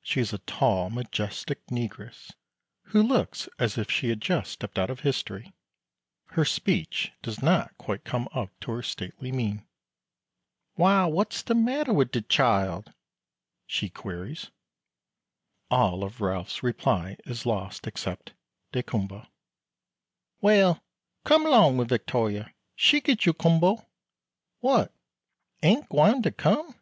She is a tall majestic negress, who looks as if she had just stepped out of history. Her speech does not quite come up to her stately mien. "Why, what's de matter wi' de chile?" she queries. All of Ralph's reply is lost except "daykumboa." "Well, come 'long wi' Victoria she git you kumboa. What, ain't gwine to come?